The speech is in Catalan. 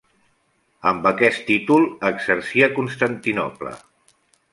Amb aquest títol exercí a Constantinoble.